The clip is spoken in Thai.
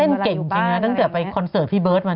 เต้มเก่งจังตั้งแต่ไปลงเล่นพี่เบิร์ทมา